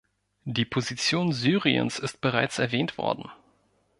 Die Position Syriens ist bereits erwähnt worden.